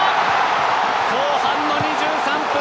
後半の２３分！